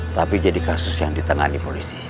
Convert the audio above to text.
tapi jadi kasus yang ditangani polisi